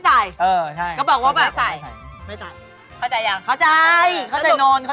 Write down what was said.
เจ้าถามว่าใส่หรือไม่ใส่แค่นั้นแหละ